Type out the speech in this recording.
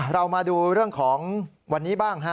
เรามาดูเรื่องของวันนี้บ้างฮะ